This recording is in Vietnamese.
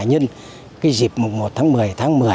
nhân cái dịp mùng một tháng một mươi tháng một mươi